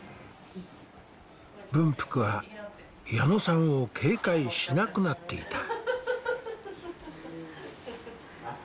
文福は矢野さんを警戒しなくなっていた。